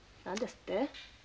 何ですって？